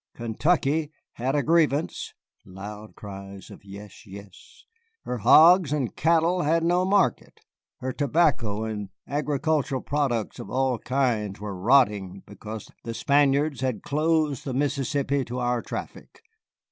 Kentucky had a grievance [loud cries of 'Yes, yes!']. Her hogs and cattle had no market, her tobacco and agricultural products of all kinds were rotting because the Spaniards had closed the Mississippi to our traffic.